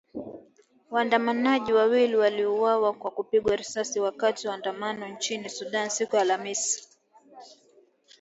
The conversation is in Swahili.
Waandamanaji wawili waliuawa kwa kupigwa risasi wakati wa maandamano nchini Sudan siku ya Alhamis